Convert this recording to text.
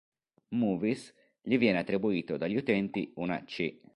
Movies" gli viene attribuito dagli utenti una "C".